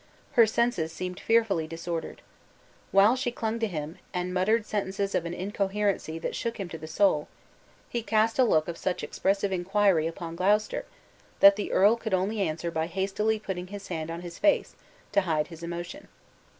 Her senses seemed fearfully disordered. While she clung to him, and muttered sentences of an incoherency that shook him to the soul, he cast a look of such expressive inquiry upon Gloucester, that the earl could only answer by hastily putting his hand on his face to hide his emotion.